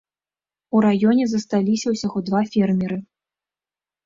У раёне засталіся ўсяго два фермеры.